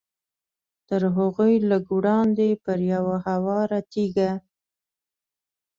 تر هغوی لږ وړاندې پر یوه هواره تیږه.